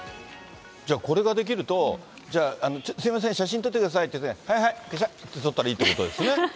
これが出来ると、じゃあ、すみません、写真撮ってくださいって言って、はいはい、かしゃって撮ったらいいってことですね。